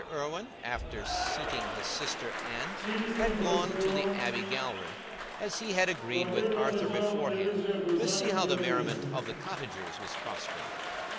Irwine, after seating his sister Anne, had gone to the abbey gallery, as he had agreed with Arthur beforehand, to see how the merriment of the cottagers was prospering.